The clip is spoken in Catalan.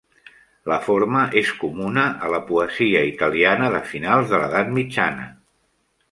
La forma és comuna a la poesia italiana de finals de l'Edat Mitjana.